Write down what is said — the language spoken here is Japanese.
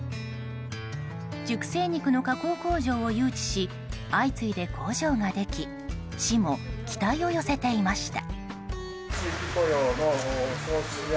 熟成肉の加工工場を誘致し相次いで工場ができ市も期待を寄せていました。